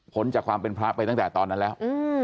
จากความเป็นพระไปตั้งแต่ตอนนั้นแล้ว